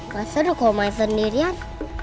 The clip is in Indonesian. gak seru kalau main sendirian